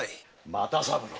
又三郎